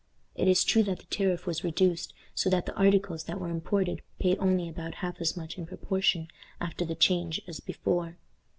It is true that the tariff was reduced, so that the articles that were imported paid only about half as much in proportion after the change as before.